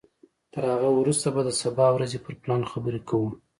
تر هغه وروسته به د سبا ورځې پر پلان خبرې کوو.